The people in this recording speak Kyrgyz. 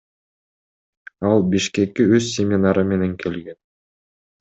Ал Бишкекке өз семинары менен келген.